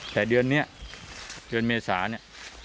แต่เดือนนี้เดือนเมษาเนี่ย